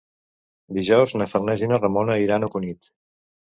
Dijous na Farners i na Ramona iran a Cunit.